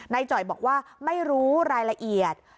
จ่อยบอกว่าไม่รู้รายละเอียด